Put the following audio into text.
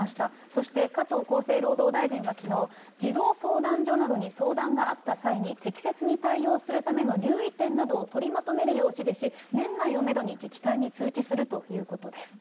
そして加藤厚生労働大臣はきのう、児童相談所などに相談があった際に、適切に対応するための留意点などを取りまとめるよう指示し、年内をメドに自治体に通知するということです。